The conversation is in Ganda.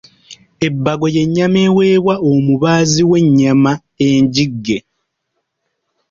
Ebbago y’ennyama eweebwa omubaazi w’ennyama enjigge.